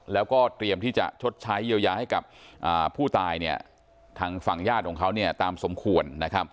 แล้วก็เตรียมที่จะชดใช้เยียวยาให้กับผู้ตายทางฝั่งญาติของเขาตามสมควร